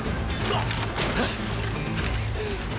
あっ！